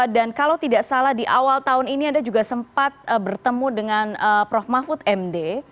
dan kalau tidak salah di awal tahun ini anda juga sempat bertemu dengan prof mahfud md